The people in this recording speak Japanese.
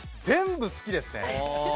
全部好きですね！